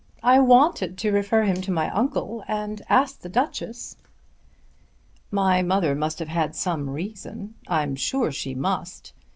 I wanted to refer him to my uncle and asked the Duchess." "My mother must have had some reason. I'm sure she must.